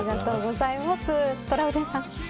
トラウデンさん。